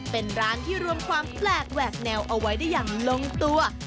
เป็นร้านที่รวมความแปลกแหวกแนวเอาไว้ได้อย่างลงตัว